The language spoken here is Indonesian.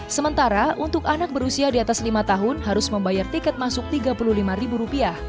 sementara untuk anak berusia di atas lima tahun harus membayar tiket masuk rp tiga puluh lima